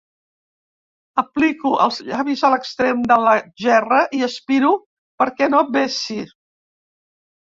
Aplico els llavis a l'extrem de la gerra i aspiro perquè no vessi.